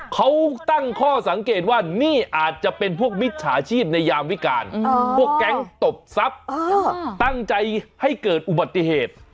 เขาตั้งข้อสังเกตว่านี่อาจจะเป็นพวกมิจฉาชีพในยามวิการพวกแก๊งตบทรัพย์ตั้งใจให้เกิดอุบัติเหตุ